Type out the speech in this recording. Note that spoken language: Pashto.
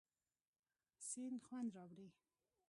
سیند خوند راوړي.